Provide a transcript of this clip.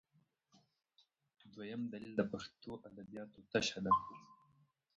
دویم دلیل د پښتو ادبیاتو تشه ده.